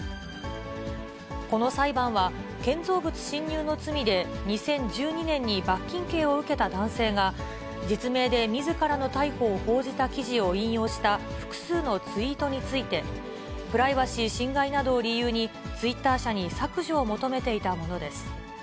この裁判は、建造物侵入の罪で２０１２年に罰金刑を受けた男性が、実名でみずからの逮捕を報じた記事を引用した複数のツイートについて、プライバシー侵害などを理由に、ツイッター社に削除を求めていたものです。